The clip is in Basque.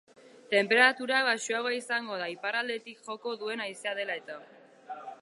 Tenperatura baxuago izango da iparraldetik joko duen haizea dela eta.